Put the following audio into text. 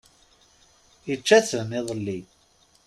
Ičča-ten, iḍelli!